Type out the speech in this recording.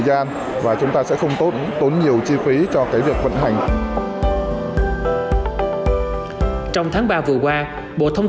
gian và chúng ta sẽ không tốn nhiều chi phí cho cái việc vận hành trong tháng ba vừa qua bộ thông